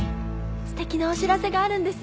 ステキなお知らせがあるんです。